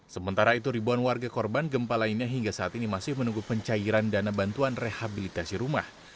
sementara itu ribuan warga korban gempa lainnya hingga saat ini masih menunggu pencairan dana bantuan rehabilitasi rumah